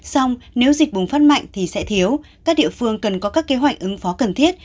xong nếu dịch bùng phát mạnh thì sẽ thiếu các địa phương cần có các kế hoạch ứng phó cần thiết